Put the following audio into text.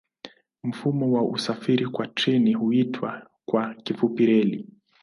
Mfumo wa usafiri kwa treni huitwa kwa kifupi reli.